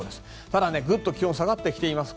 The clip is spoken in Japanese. ただ、ぐっと気温が下がってきています。